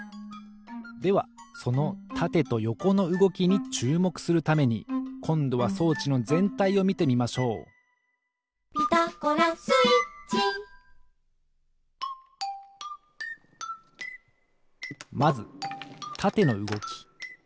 ではそのたてとよこのうごきにちゅうもくするためにこんどは装置のぜんたいをみてみましょう「ピタゴラスイッチ」まずたてのうごき。